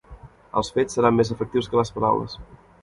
Els fets seran més efectius que les paraules.